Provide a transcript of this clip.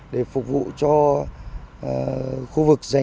để phục vụ cho khu vực dành